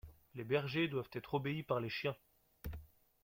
Les bergers doivent être obéis par les chiens.